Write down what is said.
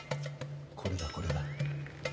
これだこれだ。